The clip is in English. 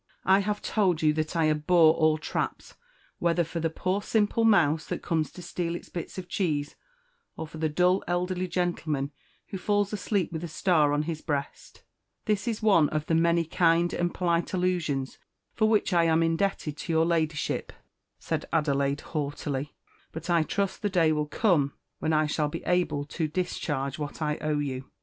I have told you that I abhor all traps, whether for the poor simple mouse that comes to steal its bit of cheese, or for the dull elderly gentleman who falls asleep with a star on his breast." "This is one of the many kind and polite allusions for which I am indebted to your Ladyship," said Adelaide haughtily; "but I trust the day will come when I shall be able to discharge what I owe you."